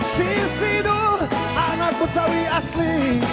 sisi duk anak betawi asli